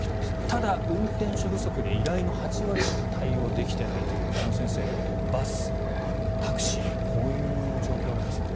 ただ、運転手不足で依頼の８割しか対応できていないという矢野先生、バス、タクシーこういう状況なんですね。